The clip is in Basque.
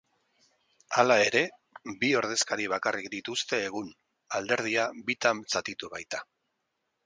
Hala ere, bi ordezkari bakarrik dituzte egun, alderdia bitan zatitu baita.